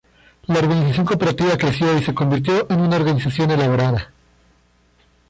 La organización cooperativa creció y se convirtió en una organización elaborada.